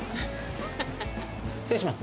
失礼します。